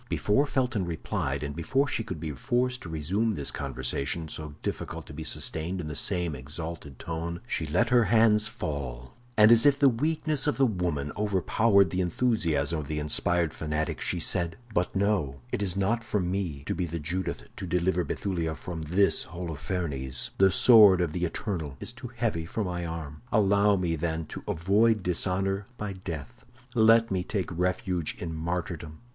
Before Felton replied, and before she should be forced to resume this conversation, so difficult to be sustained in the same exalted tone, she let her hands fall; and as if the weakness of the woman overpowered the enthusiasm of the inspired fanatic, she said: "But no, it is not for me to be the Judith to deliver Bethulia from this Holofernes. The sword of the eternal is too heavy for my arm. Allow me, then, to avoid dishonor by death; let me take refuge in martyrdom.